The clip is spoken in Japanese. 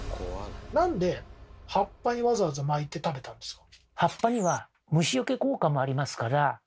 なんで葉っぱにわざわざ巻いて食べたんですか？